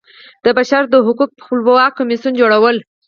د بشر د حقوقو خپلواک کمیسیون جوړول.